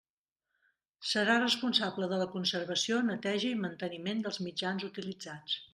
Serà responsable de la conservació, neteja i manteniment dels mitjans utilitzats.